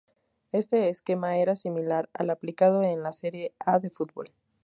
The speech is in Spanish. Este esquema era similar al aplicado en la Serie A de fútbol.